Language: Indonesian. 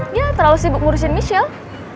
dia terlalu sibuk ngurusin michelle